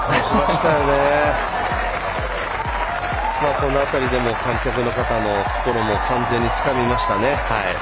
この辺りでも観客の方の心も完全につかみましたね。